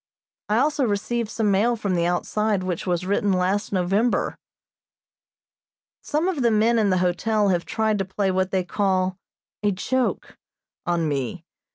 I also received some mail from the outside which was written last November. Some of the men in the hotel have tried to play what they call "a joke" on me.